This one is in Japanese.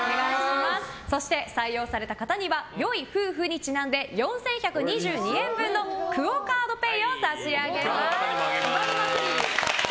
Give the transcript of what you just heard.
そして、採用された方には良い夫婦にちなんで４１２２円分のＱＵＯカードＰａｙを差し上げます。